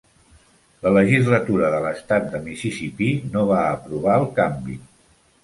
La legislatura de l'estat de Mississippi no va aprovar el canvi.